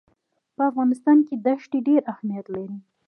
په افغانستان کې دښتې ډېر اهمیت لري.